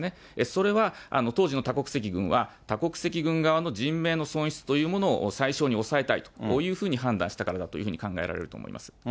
それは当時の多国籍軍は、多国籍軍側の人命の損失というものを最小に抑えたいというふうに判断したからだというふうに考えられると思います。